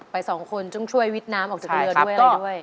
ไปสองคนต้องช่วยวิทย์น้ำออกจากเรือด้วยอะไรด้วย